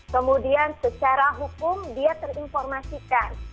kemudian secara hukum dia terinformasikan